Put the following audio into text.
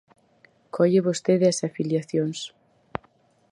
Colle vostede as afiliacións.